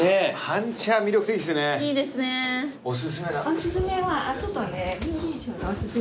お薦めは。